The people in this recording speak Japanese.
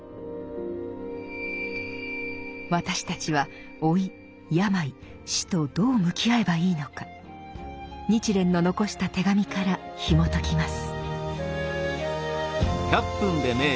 私たちは老い病死とどう向き合えばいいのか日蓮の残した手紙からひもときます。